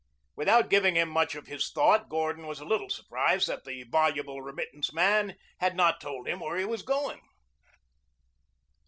Without giving him much of his thought Gordon was a little surprised that the voluble remittance man had not told him where he was going.